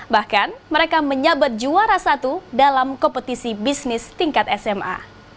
bahkan mereka menyabat juara satu dalam kompetisi bisnis tingkat sma